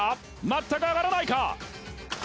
全く上がらないか？